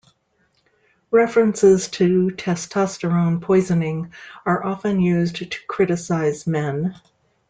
References to testosterone poisoning are often used to criticize men.